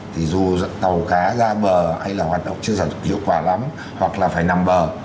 thì dù tàu cá ra bờ hay là hoạt động chưa hiệu quả lắm hoặc là phải nằm bờ